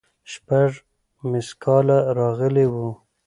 شپږ ميسکاله راغلي وو.